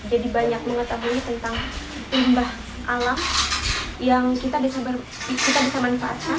jadi banyak mengetahui tentang imbah alam yang kita bisa manfaatkan